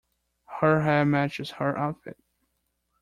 Her hair matches her outfit.